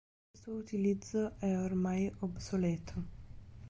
Il suo utilizzo è ormai obsoleto.